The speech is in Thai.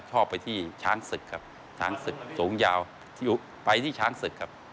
ชอบไปที่ช้างศึกครับช้างศึกสูงยาวไปที่ช้างศึกครับ